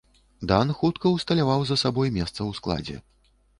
Дан хутка ўсталяваў за сабой месца ў складзе.